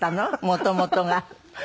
元々が。